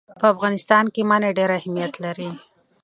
په افغانستان کې منی ډېر اهمیت لري.